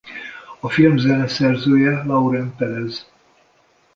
A film zeneszerzője Laurent Perez.